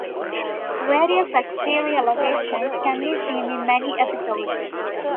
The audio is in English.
Various exterior locations can be seen in many episodes.